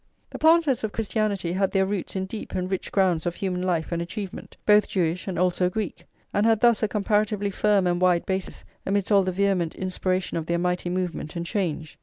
The planters of Christianity had their roots in deep and rich grounds of human life and achievement, both Jewish and also Greek; and had thus a comparatively firm and wide basis amidst all the vehement inspiration of their mighty movement and change.